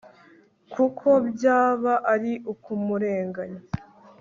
kuko byaba ari ukumurenganya